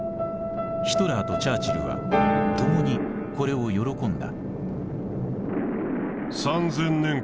ヒトラーとチャーチルはともにこれを喜んだ。